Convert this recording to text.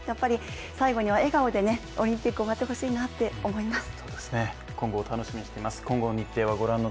最後には笑顔でオリンピック終わってほしいなって思います。